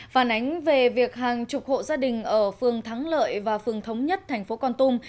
phản ánh về việc hàng chục hộ gia đình ở phường thắng lợi và phường thống nhất thành phố con tum